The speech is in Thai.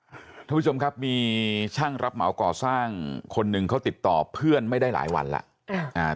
คุณผู้ชมครับมีช่างรับเหมาก่อสร้างคนหนึ่งเขาติดต่อเพื่อนไม่ได้หลายวันแล้ว